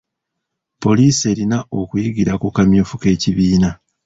Poliisi erina okuyigira ku kamyufu k'ebibiina.